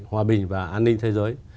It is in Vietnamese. hòa bình và an ninh thế giới